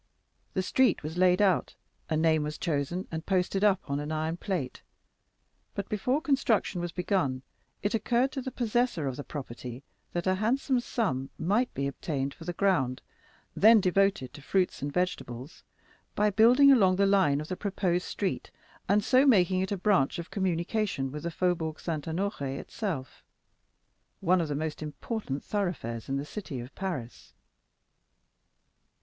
The street was laid out, a name was chosen and posted up on an iron plate, but before construction was begun, it occurred to the possessor of the property that a handsome sum might be obtained for the ground then devoted to fruits and vegetables, by building along the line of the proposed street, and so making it a branch of communication with the Faubourg Saint Honoré itself, one of the most important thoroughfares in the city of Paris.